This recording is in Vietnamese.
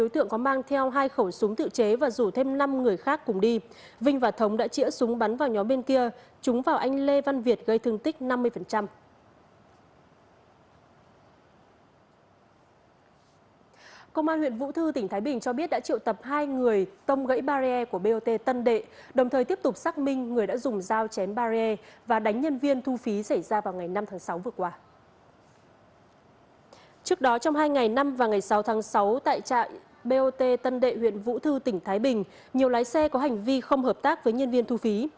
trước đó trong hai ngày năm và ngày sáu tháng sáu tại trạm bot tân đệ huyện vũ thư tỉnh thái bình nhiều lái xe có hành vi không hợp tác với nhân viên thu phí